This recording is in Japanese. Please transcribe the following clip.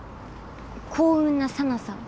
幸運な紗菜さん。